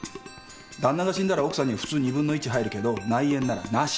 旦那が死んだら奥さんに普通２分の１入るけど内縁ならなし。